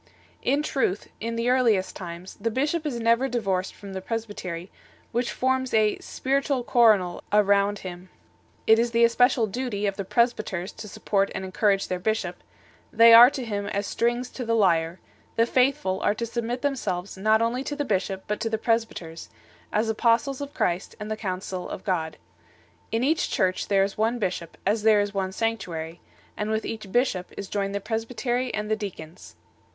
In truth, in the earliest times, the bishop is never divorced from the presbytery, which forms a " spiritual coronal" around him 3 ; it is the especial duty of the presbyters to support and encourage their bishop 4 ; they are to him as strings to the lyre 5 ; the faithful are to submit themselves not only to the bishop but to the presbyters, as apostles of Christ and the council of God 6 . In each Church there is one bishop as there is one sanctuary, and with each bishop is joined the presbytery and the deacons 7